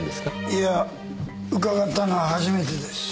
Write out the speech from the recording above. いや伺ったのは初めてです。